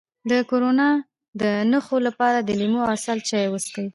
د کرونا د نښو لپاره د لیمو او عسل چای وڅښئ